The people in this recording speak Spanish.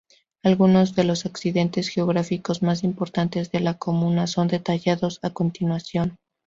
Algunos de los accidentes geográficos más importantes de la comuna son detallados a continuación.